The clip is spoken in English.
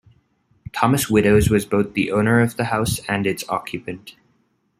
Thomas Widdows was both the owner of the house and its occupant.